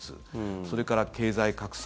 それから経済格差。